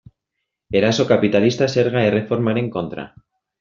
Eraso kapitalista zerga erreformaren kontra.